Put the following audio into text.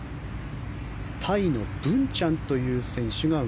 タイのブンチャンという選手。